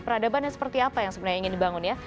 peradaban yang seperti apa yang sebenarnya ingin dibangun ya